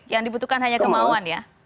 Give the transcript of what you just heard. yang dibutuhkan hanya kemauan ya